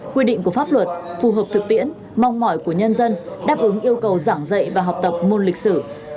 quy định của pháp luật phù hợp thực tiễn mong mỏi của nhân dân đáp ứng yêu cầu giảng dạy và học tập môn lịch sử